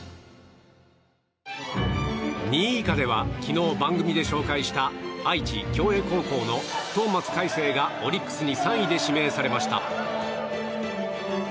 ２位以下では昨日、番組で紹介した愛知・享栄高校の東松快征がオリックスに３位で指名されました。